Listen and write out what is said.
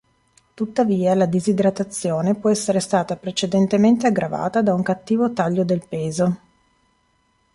Tuttavia la disidratazione può essere stata precedentemente aggravata da un cattivo "taglio del peso".